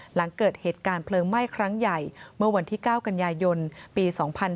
หลังเกิดเหตุการณ์เพลิงไหม้ครั้งใหญ่เมื่อวันที่๙กันยายนปี๒๕๕๙